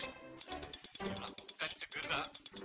ini ngakukan segera